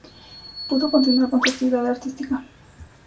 Pudo continuar con su actividad artística.